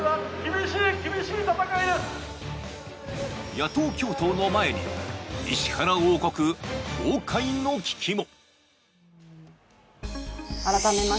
野党共闘の前に、石原王国、崩壊の危機も。